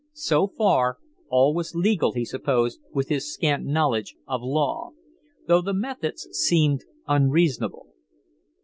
So far, all was legal, he supposed, with his scant knowledge of law; though the methods seemed unreasonable.